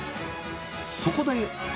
そこで。